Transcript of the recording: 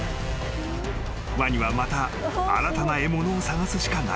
［ワニはまた新たな獲物を探すしかない］